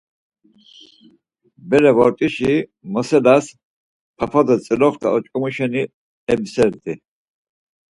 Bere bort̆işi moselas papa do tzilixt̆a oç̌komu şeni ebiselitit.